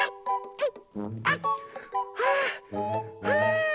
はい！